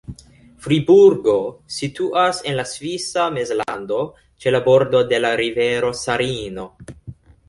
Friburgo situas en la Svisa Mezlando ĉe la bordo de la rivero Sarino.